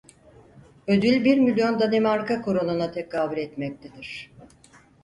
Ödül bir milyon Danimarka kronuna tekabül etmektedir.